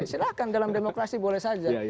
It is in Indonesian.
silahkan dalam demokrasi boleh saja